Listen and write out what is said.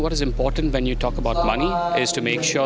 saya pikir yang penting ketika anda membicarakan tentang uang